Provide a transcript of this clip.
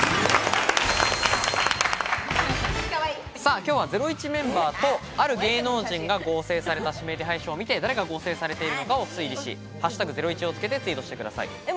今日は『ゼロイチ』メンバーと、ある芸能人が合成された指名手配書を見て、誰が合成されているのかを推理し「＃ゼロイチ」をつけてツイートしてください。